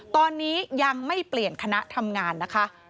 ตอนนี้ยังไม่เปลี่ยนคณะทำงานนะคะ